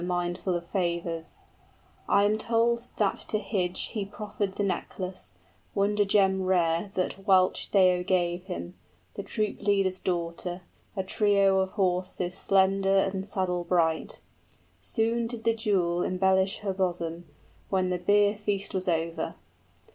} I am told that to Hygd he proffered the necklace, Wonder gem rare that Wealhtheow gave him, The troop leader's daughter, a trio of horses 30 Slender and saddle bright; soon did the jewel Embellish her bosom, when the beer feast was over.